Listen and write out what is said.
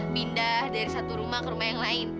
pindah dari satu rumah ke rumah yang lain